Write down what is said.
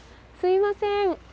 すみません。